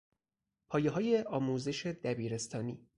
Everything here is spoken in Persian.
پایههای آموزش دبیرستانی